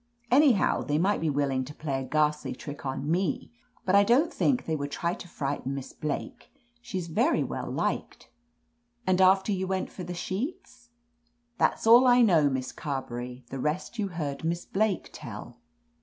Anyhow, they might be willing to play a ghastly trick on me, but I don't think they would try to frighten Miss Blake. She's yery well liked." ^ And after you went for the sheets ?" That's all I know. Miss Carberry. The rest you heard Miss Blake tell."